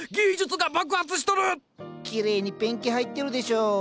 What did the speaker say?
きれいにペンキ入ってるでしょ？